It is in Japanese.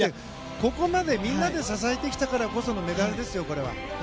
ここまでみんなで支えてきたからこそのメダルですよ、これは。